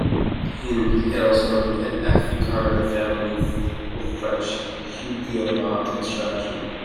He hails from an Afrikaner farming family of French Huguenot extraction.